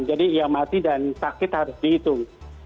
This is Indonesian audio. jadi yang mati dan sakit harus dihitung